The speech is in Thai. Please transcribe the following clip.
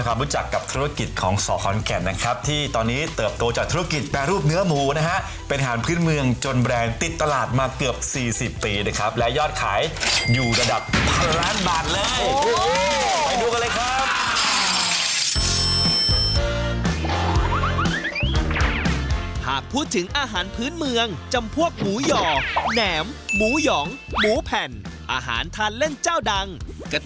อุบสอุบสอุบสอุบสอุบสอุบสอุบสอุบสอุบสอุบสอุบสอุบสอุบสอุบสอุบสอุบสอุบสอุบสอุบสอุบสอุบสอุบสอุบสอุบสอุบสอุบสอุบสอุบสอุบสอุบสอุบสอุบสอุบสอุบสอุบสอุบสอุบสอุบสอุบสอุบสอุบสอุบสอุบสอุบสอ